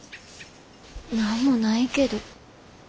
何もないけど。